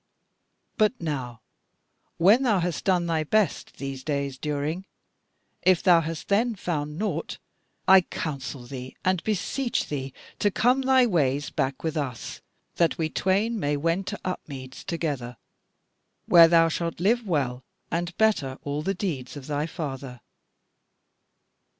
But now, when thou hast done thy best these days during, if thou hast then found naught, I counsel thee and beseech thee to come thy ways back with us, that we twain may wend to Upmeads together, where thou shalt live well, and better all the deeds of thy father.